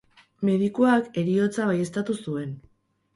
Medikuak heriotza baieztatu zuen.